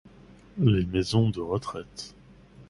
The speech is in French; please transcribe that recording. Les maisons de retraite.